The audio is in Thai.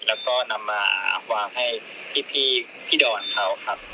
แล้วก็นำมาวางให้พี่ดอนเขาครับ